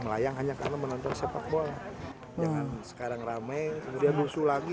melayang hanya karena menonton sepak bola jangan sekarang ramai kemudian musuh lagi